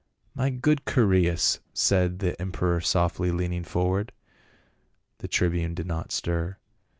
" My good Chaereas !" said the emperor softly, leaning forward. The tribune did not stir.